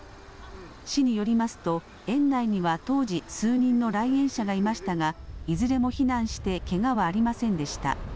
市によりますと園内には当時、数人の来園者がいましたがいずれも避難してけがはありませんでした。